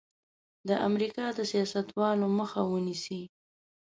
د امریکا د سیاستوالو مخه ونیسي.